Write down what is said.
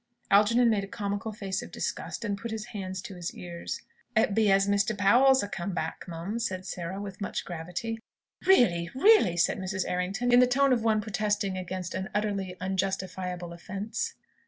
Algernon made a comical face of disgust, and put his hands to his ears. "It be as Mr. Powell's ha' come back, mum," said Sarah, with much gravity. "Really! Really!" said Mrs. Errington, in the tone of one protesting against an utterly unjustifiable offence.